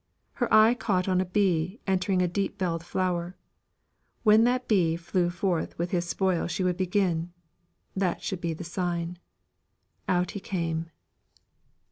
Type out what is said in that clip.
Her eye caught on a bee entering a deep belled flower: when that bee flew forth with his spoil she would begin that should be the sign. Out he came.